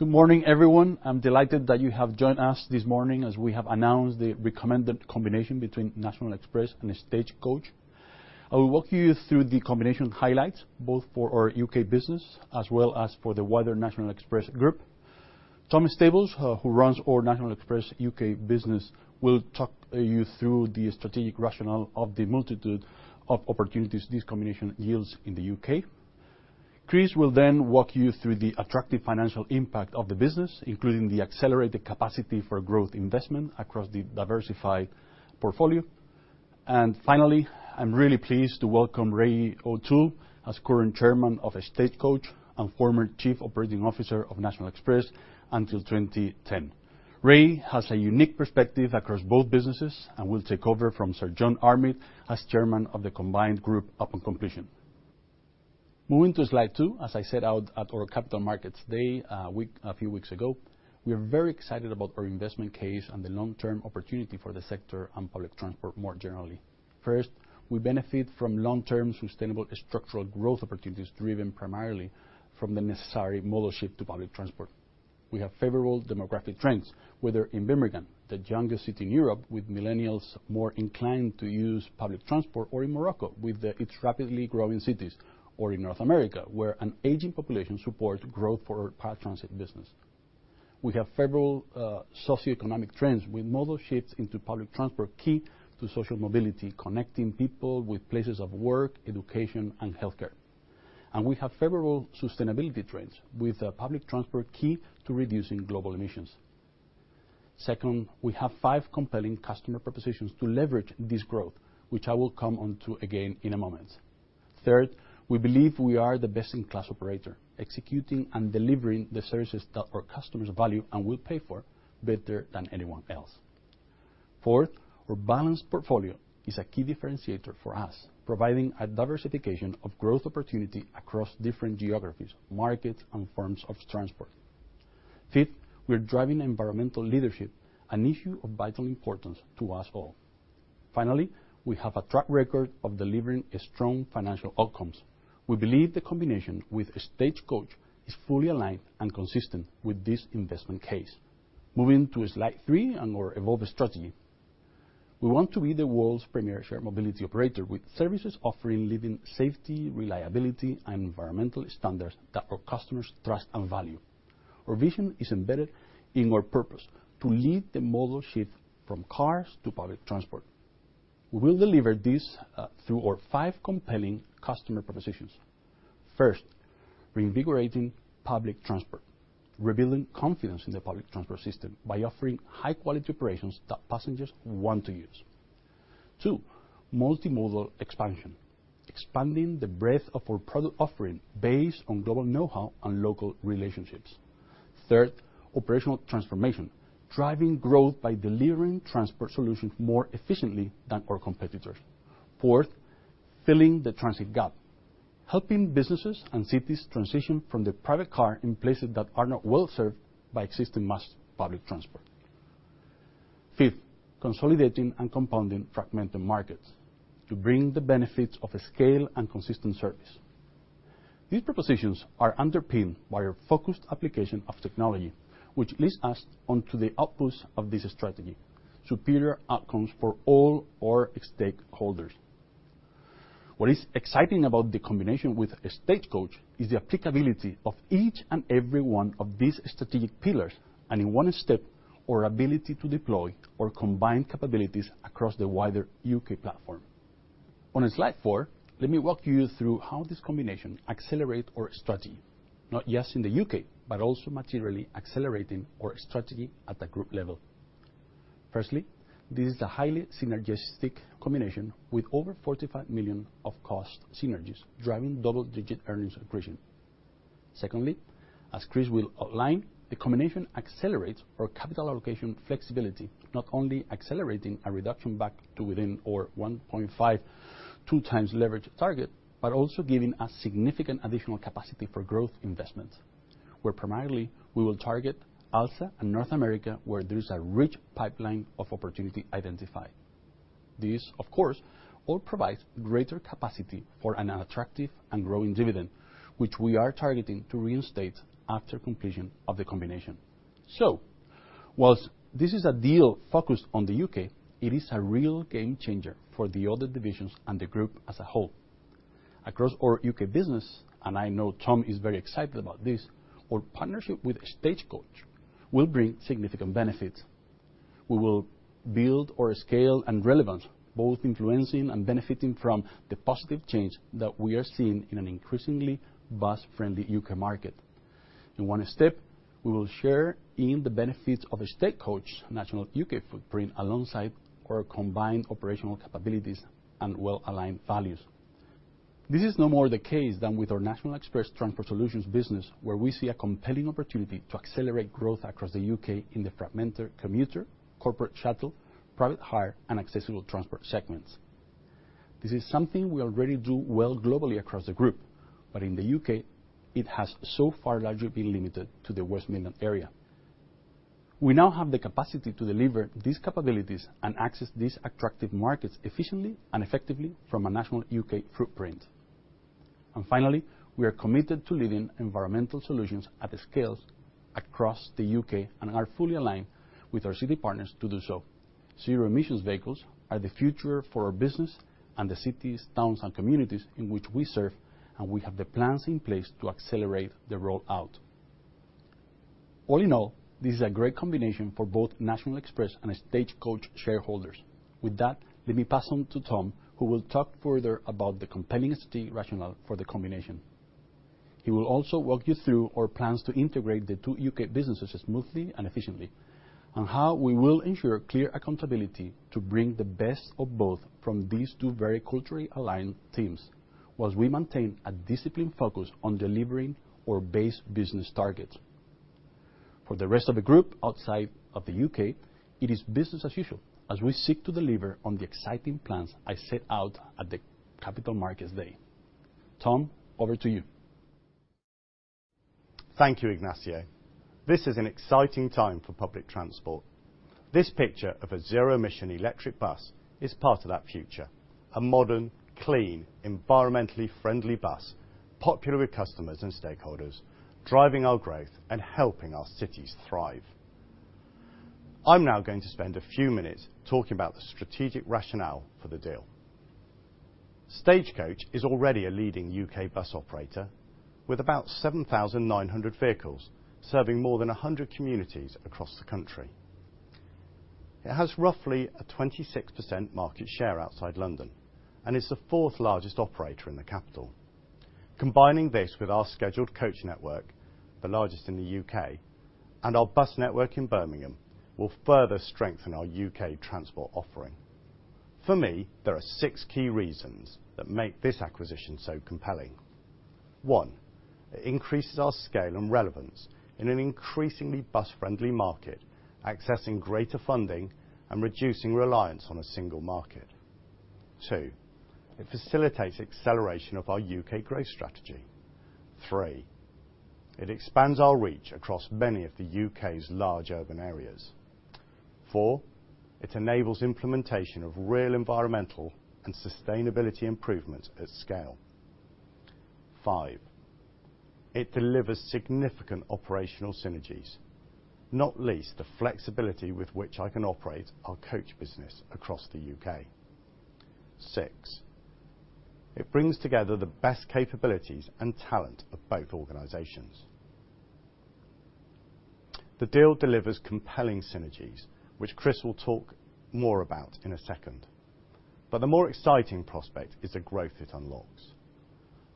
Good morning, everyone. I'm delighted that you have joined us this morning as we have announced the recommended combination between National Express and Stagecoach. I will walk you through the combination highlights, both for our U.K. business as well as for the wider National Express Group. Tom Stables, who runs our National Express U.K. business, will talk you through the strategic rationale of the multitude of opportunities this combination yields in the U.K. Chris will then walk you through the attractive financial impact of the business, including the accelerated capacity for growth investment across the diversified portfolio. Finally, I'm really pleased to welcome Ray O'Toole as current Chairman of Stagecoach and former Chief Operating Officer of National Express until 2010. Ray has a unique perspective across both businesses and will take over from Sir John Armitt as Chairman of the combined group upon completion. Moving to Slide 2, as I set out at our Capital Markets Day, a few weeks ago, we are very excited about our investment case and the long-term opportunity for the sector and public transport more generally. First, we benefit from long-term sustainable structural growth opportunities driven primarily from the necessary modal shift to public transport. We have favorable demographic trends, whether in Birmingham, the youngest city in Europe, with millennials more inclined to use public transport, or in Morocco with its rapidly growing cities, or in North America, where an aging population supports growth for our paratransit business. We have favorable socioeconomic trends with modal shifts into public transport, key to social mobility, connecting people with places of work, education, and healthcare. We have favorable sustainability trends, with public transport key to reducing global emissions. Second, we have five compelling customer propositions to leverage this growth, which I will come on to again in a moment. Third, we believe we are the best-in-class operator, executing and delivering the services that our customers value and will pay for better than anyone else. Fourth, our balanced portfolio is a key differentiator for us, providing a diversification of growth opportunity across different geographies, markets, and forms of transport. Fifth, we're driving environmental leadership, an issue of vital importance to us all. Finally, we have a track record of delivering strong financial outcomes. We believe the combination with Stagecoach is fully aligned and consistent with this investment case. Moving to Slide 3 on our Evolved Strategy. We want to be the world's premier shared mobility operator, with services offering leading safety, reliability, and environmental standards that our customers trust and value. Our vision is embedded in our purpose to lead the modal shift from cars to public transport. We will deliver this through our five compelling customer propositions. First, reinvigorating public transport, rebuilding confidence in the public transport system by offering high-quality operations that passengers want to use. Two, multimodal expansion, expanding the breadth of our product offering based on global know-how and local relationships. Third, operational transformation, driving growth by delivering transport solutions more efficiently than our competitors. Fourth, filling the transit gap, helping businesses and cities transition from the private car in places that are not well served by existing mass public transport. Fifth, consolidating and compounding fragmented markets to bring the benefits of scale and consistent service. These propositions are underpinned by our focused application of technology, which leads us onto the outputs of this strategy, superior outcomes for all our stakeholders. What is exciting about the combination with Stagecoach is the applicability of each and every one of these strategic pillars, and in one step, our ability to deploy our combined capabilities across the wider U.K. platform. On Slide 4, let me walk you through how this combination accelerate our strategy, not just in the U.K., but also materially accelerating our strategy at the group level. Firstly, this is a highly synergistic combination with over 45 million of cost synergies driving double-digit earnings accretion. Secondly, as Chris will outline, the combination accelerates our capital allocation flexibility, not only accelerating a reduction back to within our 1.5x-2x leverage target, but also giving us significant additional capacity for growth investments. Where primarily we will target ALSA and North America, where there is a rich pipeline of opportunity identified. This, of course, all provides greater capacity for an attractive and growing dividend, which we are targeting to reinstate after completion of the combination. While this is a deal focused on the U.K., it is a real game changer for the other divisions and the group as a whole. Across our U.K. business, and I know Tom is very excited about this, our partnership with Stagecoach will bring significant benefits. We will build our scale and relevance, both influencing and benefiting from the positive change that we are seeing in an increasingly bus-friendly U.K. market. In one step, we will share in the benefits of Stagecoach's national U.K. footprint alongside our combined operational capabilities and well-aligned values. This is no more the case than with our National Express Transport Solutions business, where we see a compelling opportunity to accelerate growth across the UK in the fragmented commuter, corporate shuttle, private hire, and ccessible transport segments. This is something we already do well globally across the group, but in the U.K., it has so far largely been limited to the West Midlands area. We now have the capacity to deliver these capabilities and access these attractive markets efficiently and effectively from a national U.K. Footprint. Finally, we are committed to leading environmental solutions at scale across the U.K. and are fully aligned with our city partners to do so. Zero-emissions vehicles are the future for our business and the cities, towns, and communities in which we serve, and we have the plans in place to accelerate the rollout. All in all, this is a great combination for both National Express and Stagecoach shareholders. With that, let me pass on to Tom, who will talk further about the compelling strategic rationale for the combination. He will also walk you through our plans to integrate the two U.K. businesses smoothly and efficiently, and how we will ensure clear accountability to bring the best of both from these two very culturally aligned teams, whilst we maintain a disciplined focus on delivering our base business targets. For the rest of the group outside of the U.K., it is business as usual as we seek to deliver on the exciting plans I set out at the Capital Markets Day. Tom, over to you. Thank you, Ignacio. This is an exciting time for public transport. This picture of a zero-emission electric bus is part of that future. A modern, clean, environmentally friendly bus, popular with customers and stakeholders, driving our growth and helping our cities thrive. I'm now going to spend a few minutes talking about the strategic rationale for the deal. Stagecoach is already a leading U.K. bus operator with about 7,900 vehicles serving more than 100 communities across the country. It has roughly a 26% market share outside London, and is the fourth-largest operator in the capital. Combining this with our scheduled coach network, the largest in the U.K., and our bus network in Birmingham, will further strengthen our U.K. transport offering. For me, there are six key reasons that make this acquisition so compelling. One, it increases our scale and relevance in an increasingly bus-friendly market, accessing greater funding and reducing reliance on a single market. Two, it facilitates acceleration of our U.K. growth strategy. Three, it expands our reach across many of the U.K.'s large urban areas. Four, it enables implementation of real environmental and sustainability improvements at scale. Five, it delivers significant operational synergies, not least the flexibility with which I can operate our coach business across the U.K. Six, it brings together the best capabilities and talent of both organizations. The deal delivers compelling synergies, which Chris will talk more about in a second. The more exciting prospect is the growth it unlocks.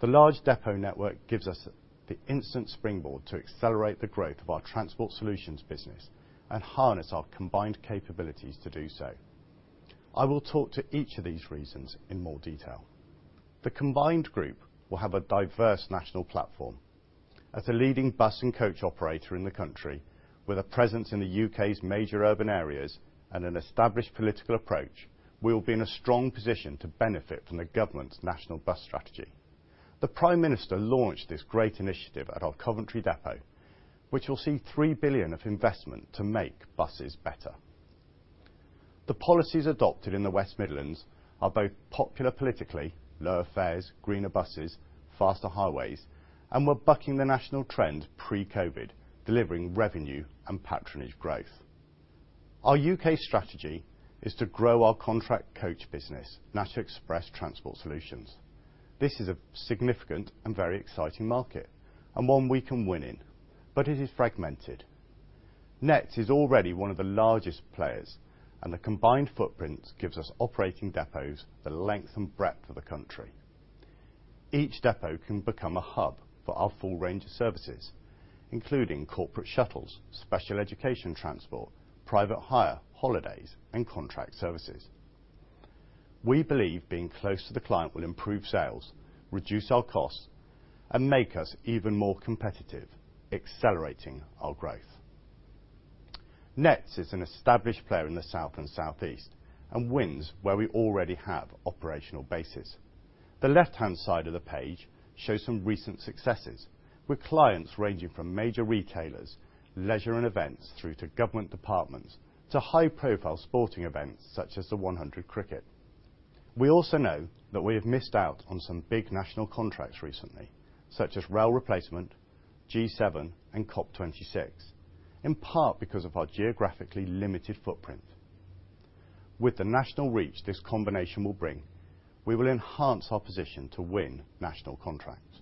The large depot network gives us the instant springboard to accelerate the growth of our Transport Solutions business and harness our combined capabilities to do so. I will talk to each of these reasons in more detail. The combined group will have a diverse national platform. As a leading bus and coach operator in the country with a presence in the U.K.'s major urban areas and an established political approach, we will be in a strong position to benefit from the government's National Bus Strategy. The Prime Minister launched this great initiative at our Coventry depot, which will see 3 billion of investment to make buses better. The policies adopted in the West Midlands are both popular politically, lower fares, greener buses, faster highways, and were bucking the national trend pre-COVID, delivering revenue and patronage growth. Our U.K. strategy is to grow our contract coach business, National Express Transport Solutions. This is a significant and very exciting market, and one we can win in, but it is fragmented. NETS is already one of the largest players, and the combined footprint gives us operating depots the length and breadth of the country. Each depot can become a hub for our full range of services, including corporate shuttles, special education transport, private hire, holidays, and contract services. We believe being close to the client will improve sales, reduce our costs, and make us even more competitive, accelerating our growth. NETS is an established player in the south and southeast, and wins where we already have operational bases. The left-hand side of the page shows some recent successes with clients ranging from major retailers, leisure and events, through to government departments, to high-profile sporting events such as The Hundred cricket. We also know that we have missed out on some big national contracts recently, such as rail replacement, G7, and COP26, in part because of our geographically limited footprint. With the national reach this combination will bring, we will enhance our position to win national contracts.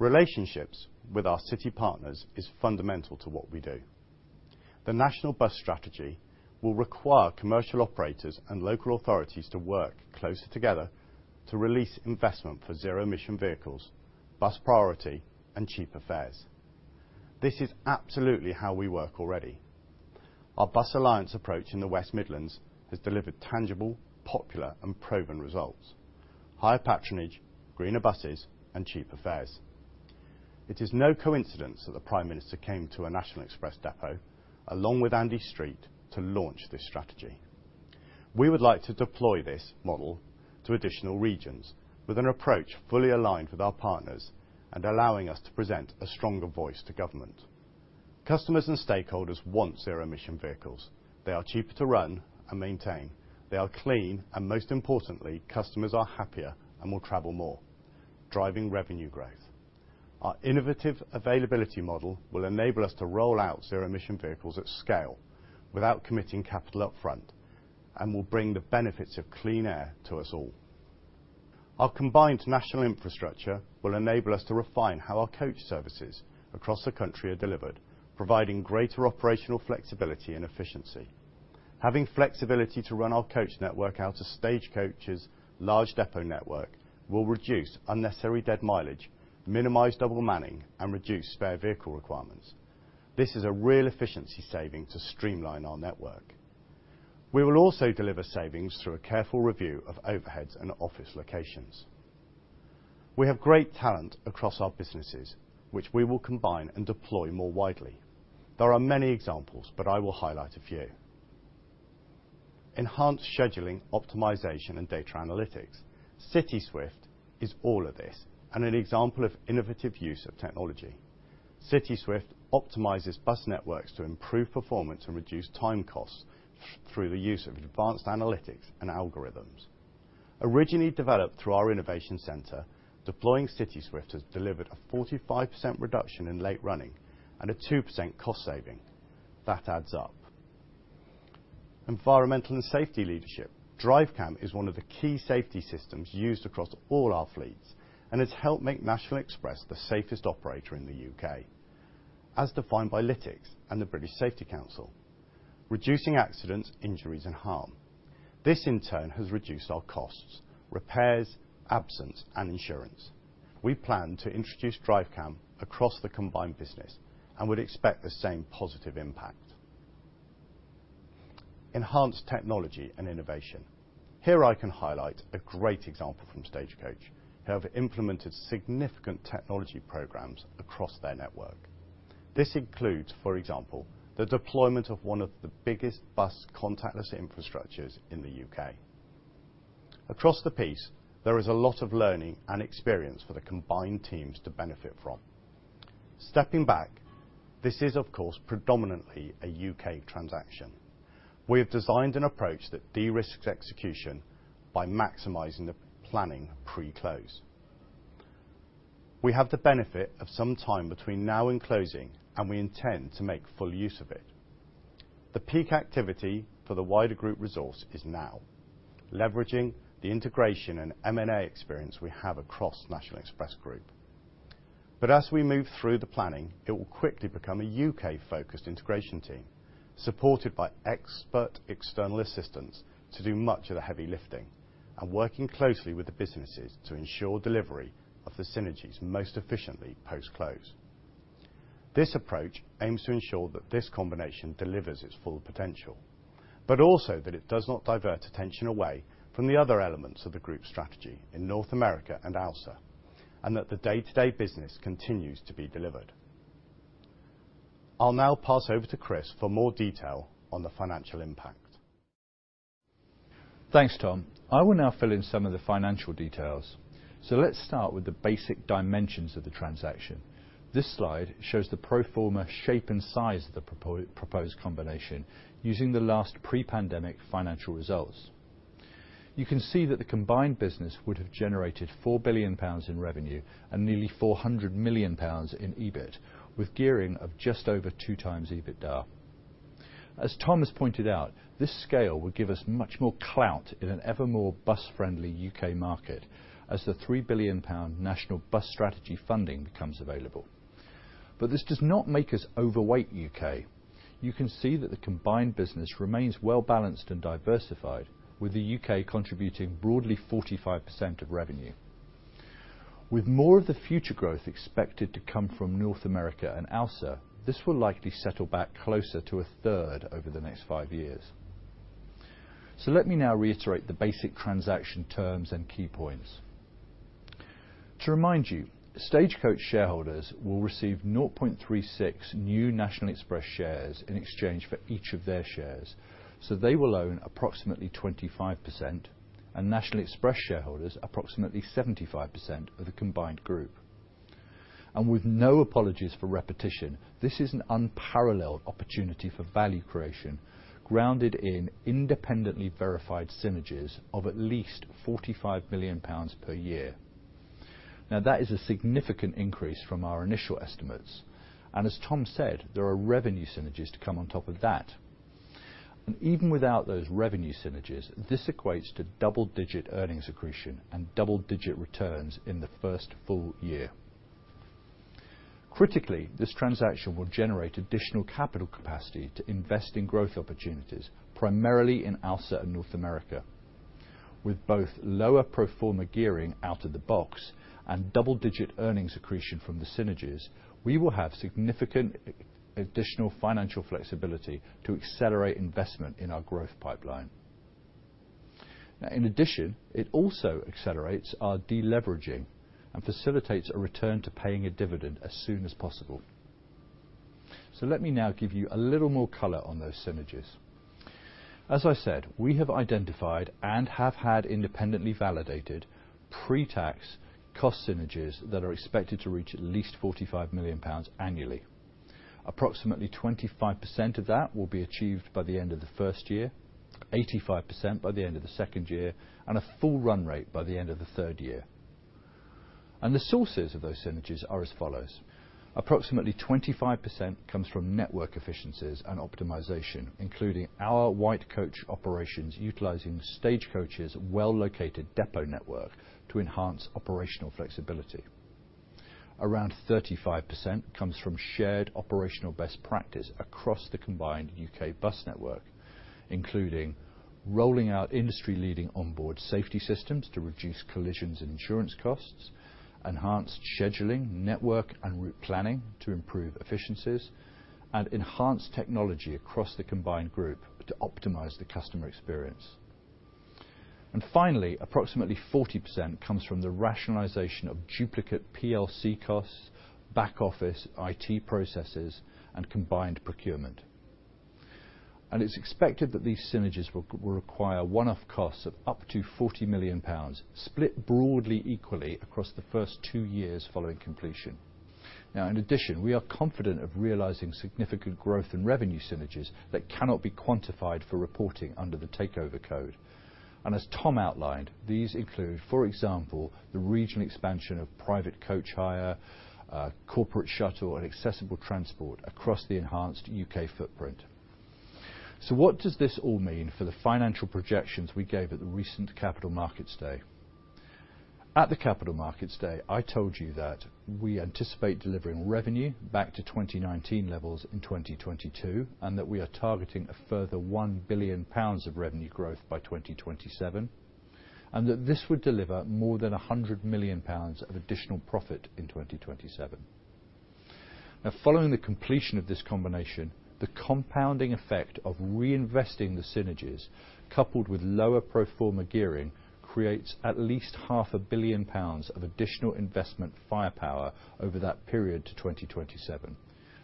Relationships with our city partners is fundamental to what we do. The National Bus Strategy will require commercial operators and local authorities to work closer together to release investment for zero-emission vehicles, bus priority, and cheaper fares. This is absolutely how we work already. Our bus alliance approach in the West Midlands has delivered tangible, popular, and proven results. Higher patronage, greener buses, and cheaper fares. It is no coincidence that the Prime Minister came to a National Express depot along with Andy Street to launch this strategy. We would like to deploy this model to additional regions with an approach fully aligned with our partners and allowing us to present a stronger voice to government. Customers and stakeholders want zero-emission vehicles. They are cheaper to run and maintain. They are clean, and most importantly, customers are happier and will travel more, driving revenue growth. Our innovative availability model will enable us to roll out zero-emission vehicles at scale without committing capital upfront, and will bring the benefits of clean air to us all. Our combined National Infrastructure will enable us to refine how our coach services across the country are delivered, providing greater operational flexibility and efficiency. Having flexibility to run our coach network out of Stagecoach's large depot network will reduce unnecessary dead mileage, minimize double manning, and reduce spare vehicle requirements. This is a real efficiency saving to streamline our network. We will also deliver savings through a careful review of overheads and office locations. We have great talent across our businesses, which we will combine and deploy more widely. There are many examples, but I will highlight a few. Enhanced scheduling, optimization, and data analytics. CitySwift is all of this, and an example of innovative use of technology. CitySwift optimizes bus networks to improve performance and reduce time costs through the use of advanced analytics and algorithms. Originally developed through our innovation center, deploying CitySwift has delivered a 45% reduction in late running and a 2% cost saving. That adds up. Environmental and safety leadership. DriveCam is one of the key safety systems used across all our fleets and has helped make National Express the safest operator in the U.K., as defined by Lytx and the British Safety Council, reducing accidents, injuries, and harm. This in turn has reduced our costs, repairs, absence, and insurance. We plan to introduce DriveCam across the Combined business and would expect the same positive impact. Enhanced technology and innovation. Here I can highlight a great example from Stagecoach, who have implemented significant technology programs across their network. This includes, for example, the deployment of one of the biggest bus contactless infrastructures in the U.K. Across the piece, there is a lot of learning and experience for the combined teams to benefit from. Stepping back, this is of course predominantly a U.K. transaction. We have designed an approach that de-risks execution by maximizing the planning pre-close. We have the benefit of some time between now and closing, and we intend to make full use of it. The peak activity for the wider group resource is now, leveraging the integration and M&A experience we have across National Express Group. As we move through the planning, it will quickly become a U.K.-focused integration team, supported by expert external assistants to do much of the heavy lifting and working closely with the businesses to ensure delivery of the synergies most efficiently post-close. This approach aims to ensure that this combination delivers its full potential, but also that it does not divert attention away from the other elements of the group strategy in North America and ALSA, and that the day-to-day business continues to be delivered. I'll now pass over to Chris for more detail on the financial impact. Thanks, Tom. I will now fill in some of the financial details. Let's start with the basic dimensions of the transaction. This slide shows the pro forma shape and size of the proposed combination using the last pre-pandemic financial results. You can see that the Combined business would have generated 4 billion pounds in revenue and nearly 400 million pounds in EBIT, with gearing of just over 2x EBITDA. As Tom has pointed out, this scale would give us much more clout in an ever more bus-friendly U.K. market as the 3 billion pound National Bus Strategy funding becomes available. This does not make us overweight U.K. You can see that the Combined business remains well-balanced and diversified, with the U.K. contributing broadly 45% of revenue. With more of the future growth expected to come from North America and ALSA, this will likely settle back closer to 1/3 over the next 5 years. Let me now reiterate the basic transaction terms and key points. To remind you, Stagecoach shareholders will receive 0.36 new National Express shares in exchange for each of their shares, so they will own approximately 25% and National Express shareholders approximately 75% of the combined group. With no apologies for repetition, this is an unparalleled opportunity for value creation grounded in independently verified synergies of at least 45 million pounds per year. Now, that is a significant increase from our initial estimates, and as Tom said, there are revenue synergies to come on top of that. Even without those revenue synergies, this equates to double-digit earnings accretion and double-digit returns in the first full-year. Critically, this transaction will generate additional capital capacity to invest in growth opportunities, primarily in ALSA and North America. With both lower pro forma gearing out of the box and double-digit earnings accretion from the synergies, we will have significant additional financial flexibility to accelerate investment in our growth pipeline. Now, in addition, it also accelerates our deleveraging and facilitates a return to paying a dividend as soon as possible. Let me now give you a little more color on those synergies. As I said, we have identified and have had independently validated pre-tax cost synergies that are expected to reach at least 45 million pounds annually. Approximately 25% of that will be achieved by the end of the first year, 85% by the end of the second year, and a full run rate by the end of the third year. The sources of those synergies are as follows. Approximately 25% comes from network efficiencies and optimization, including our white coach operations utilizing Stagecoach's well-located depot network to enhance operational flexibility. Around 35% comes from shared operational best practice across the combined U.K. bus network, including rolling out industry-leading onboard safety systems to reduce collisions and insurance costs, enhanced scheduling, network, and route planning to improve efficiencies, and enhanced technology across the combined group to optimize the customer experience. Finally, approximately 40% comes from the rationalization of duplicate PLC costs, back-office IT processes, and combined procurement. It's expected that these synergies will require one-off costs of up to 40 million pounds, split broadly equally across the first two years following completion. Now in addition, we are confident of realizing significant growth and revenue synergies that cannot be quantified for reporting under the Takeover Code. As Tom outlined, these include, for example, the regional expansion of private coach hire, corporate shuttle and accessible transport across the enhanced UK footprint. What does this all mean for the financial projections we gave at the recent Capital Markets Day? At the Capital Markets Day, I told you that we anticipate delivering revenue back to 2019 levels in 2022, and that we are targeting a further 1 billion pounds of revenue growth by 2027, and that this would deliver more than 100 million pounds of additional profit in 2027. Following the completion of this combination, the compounding effect of reinvesting the synergies, coupled with lower pro forma gearing, creates at least half a billion pounds of additional investment firepower over that period to 2027.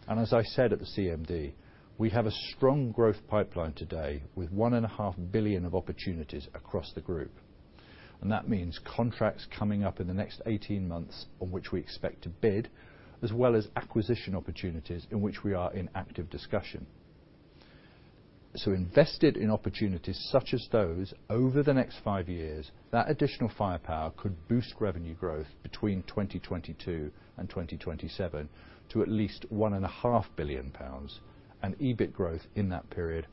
As I said at the CMD, we have a strong growth pipeline today with 1.5 billion of opportunities across the group. That means contracts coming up in the next 18 months on which we expect to bid, as well as acquisition opportunities in which we are in active discussion. Invested in opportunities such as those over the next five years, that additional firepower could boost revenue growth between 2022 and 2027 to at least one and a 1.5 billion pounds, and EBIT growth in that period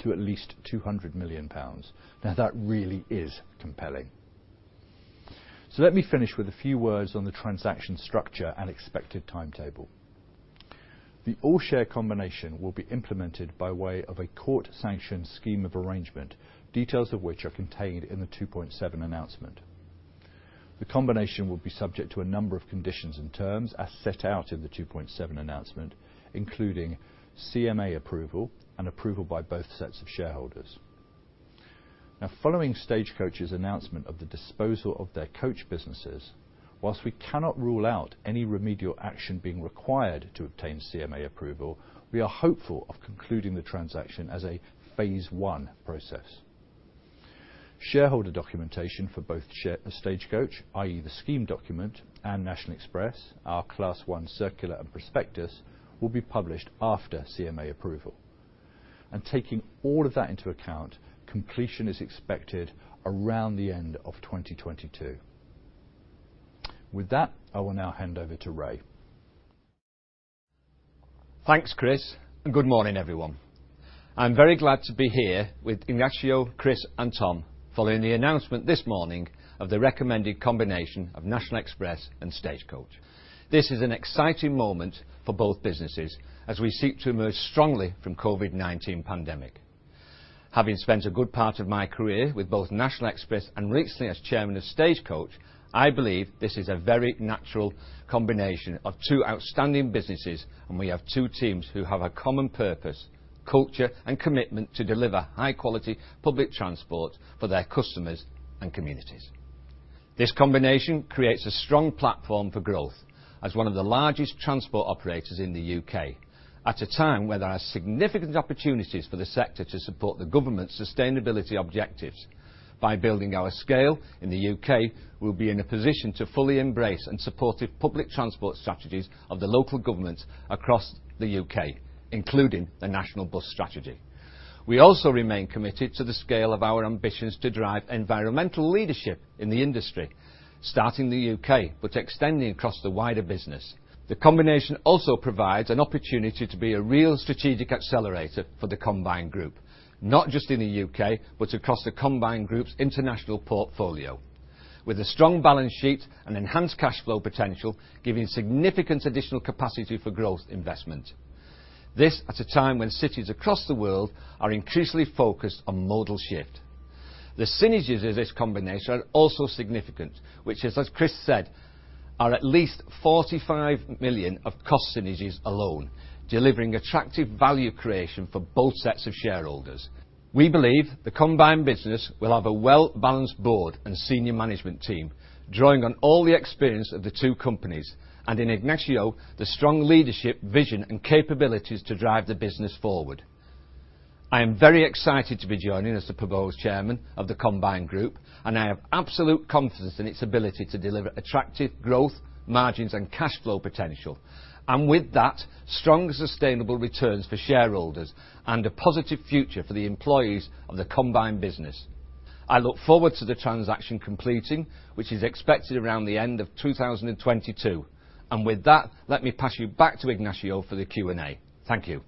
to at least 200 million pounds. Now that really is compelling. Let me finish with a few words on the transaction structure and expected timetable. The all share combination will be implemented by way of a court-sanctioned scheme of arrangement, details of which are contained in the Rule 2.7 announcement. The combination will be subject to a number of conditions and terms as set out in the Rule 2.7 announcement, including CMA approval and approval by both sets of shareholders. Now following Stagecoach's announcement of the disposal of their coach businesses, while we cannot rule out any remedial action being required to obtain CMA approval, we are hopeful of concluding the transaction as a Phase I process. Shareholder documentation for both Stagecoach, i.e. the scheme document, and National Express, our Class 1 circular and prospectus, will be published after CMA approval. Taking all of that into account, completion is expected around the end of 2022. With that, I will now hand over to Ray. Thanks, Chris, and good morning, everyone. I'm very glad to be here with Ignacio, Chris and Tom following the announcement this morning of the recommended combination of National Express and Stagecoach. This is an exciting moment for both businesses as we seek to emerge strongly from COVID-19 pandemic. Having spent a good part of my career with both National Express and recently as Chairman of Stagecoach, I believe this is a very natural combination of two outstanding businesses and we have two teams who have a common purpose, culture and commitment to deliver high quality public transport for their customers and communities. This combination creates a strong platform for growth as one of the largest transport operators in the U.K. at a time where there are significant opportunities for the sector to support the government's sustainability objectives. By building our scale in the U.K., we'll be in a position to fully embrace and support the public transport strategies of the local governments across the U.K., including the National Bus Strategy. We also remain committed to the scale of our ambitions to drive environmental leadership in the industry, starting in the U.K., but extending across the wider business. The combination also provides an opportunity to be a real strategic accelerator for the combined group, not just in the U.K., but across the combined group's international portfolio. With a strong balance sheet and enhanced cash flow potential, giving significant additional capacity for growth investment at a time when cities across the world are increasingly focused on modal shift. The synergies of this combination are also significant, which, as Chris said, are at least 45 million of cost synergies alone, delivering attractive value creation for both sets of shareholders. We believe the combined business will have a well-balanced board and senior management team, drawing on all the experience of the two companies, and in Ignacio, the strong leadership, vision, and capabilities to drive the business forward. I am very excited to be joining as the proposed chairman of the combined group, and I have absolute confidence in its ability to deliver attractive growth, margins and cash flow potential. With that, strong sustainable returns for shareholders and a positive future for the employees of the combined business. I look forward to the transaction completing, which is expected around the end of 2022. With that, let me pass you back to Ignacio for the Q&A. Thank you.